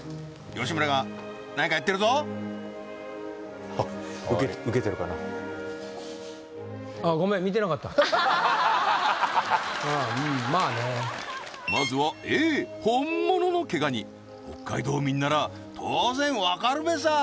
吉村がなんかやってるぞああーうんまあねまずはＡ本物の毛ガニ北海道民なら当然わかるべささあ